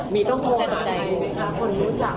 ไม่ที่โทรหาใครเลย